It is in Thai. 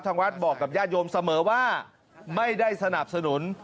วัดบอกกับญาติโยมเสมอว่าไม่ได้สนับสนุน